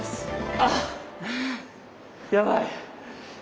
あっやばい。